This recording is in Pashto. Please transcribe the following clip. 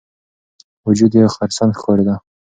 وجود یې خرسن ښکارېده.